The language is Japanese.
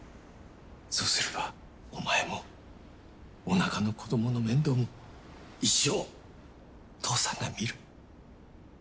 そうすればお前もお腹の子供の面倒も一生父さんが見る。